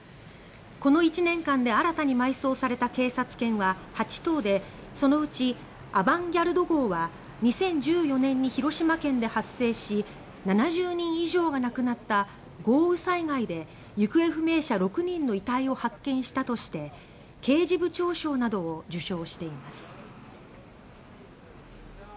この１年間で新たに埋葬された警察犬は８頭でそのうちアバンギャルド号は２０１４年に広島県で発生し７０人以上が亡くなった豪雨災害で行方不明者６人の遺体を発見したとして刑事部長賞などを受賞しています。